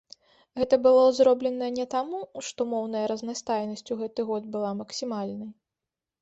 Гэта было зроблена не таму, што моўная разнастайнасць у гэты год была максімальнай.